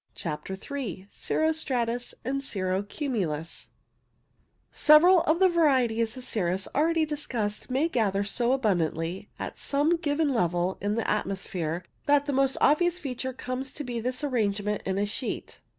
CHAPTER III CIRRO STRATUS AND CIRRO CUMULUS Several of the varieties of cirrus already discussed may gather so abundantly at some given level in the atmosphere, that the most obvious feature comes to be this arrangement in a sheet.